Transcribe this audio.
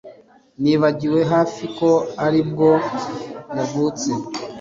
Nibagiwe hafi ko aribwo yavutse